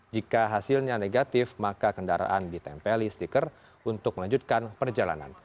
jika hasilnya negatif maka kendaraan ditempeli stiker untuk melanjutkan perjalanan